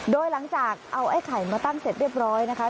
โดยหลังจากเอาไอ้ไข่มาตั้งเสร็จเรียบร้อยนะคะ